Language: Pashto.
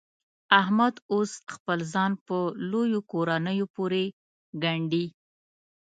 احمد اوس خپل ځان په لویو کورنیو پورې ګنډي.